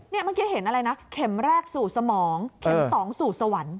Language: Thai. เมื่อกี้เห็นอะไรนะเข็มแรกสู่สมองเข็ม๒สู่สวรรค์